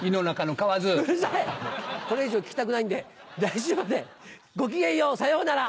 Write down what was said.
これ以上聞きたくないんで来週までごきげんようさようなら。